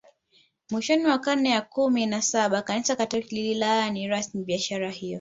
Mwishoni mwa karne ya kumi na Saba Kanisa Katoliki lililaani rasmi biashara hiyo